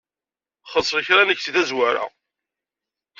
Xelleṣ lekra-nnek seg tazwara.